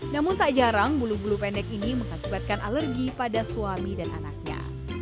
namun tak jarang bulu bulu pendek ini mengakibatkan alergi pada suami dan anaknya